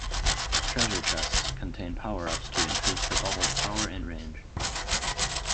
Treasure chests contain power-ups to increase her bubbles' power and range.